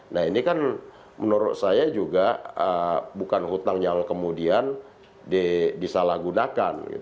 nah ini kan menurut saya juga bukan hutang yang kemudian disalahgunakan